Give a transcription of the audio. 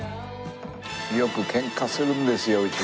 よくケンカするんですようちで。